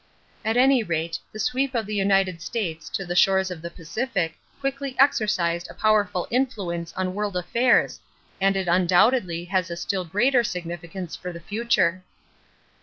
At any rate, the sweep of the United States to the shores of the Pacific quickly exercised a powerful influence on world affairs and it undoubtedly has a still greater significance for the future.